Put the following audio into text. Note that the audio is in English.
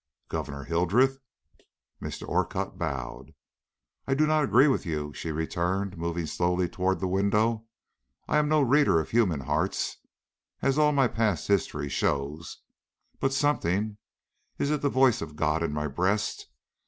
"Gouverneur Hildreth?" Mr. Orcutt bowed. "I do not agree with you," she returned, moving slowly toward the window. "I am no reader of human hearts, as all my past history shows, but something is it the voice of God in my breast?